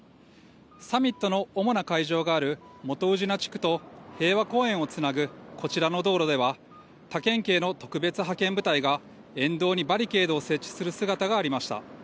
サミットの主な会場がある元宇品地区と平和公園をつなぐこちらの道路では、他県警の特別派遣部隊が沿道にバリケードを設置する姿がありました。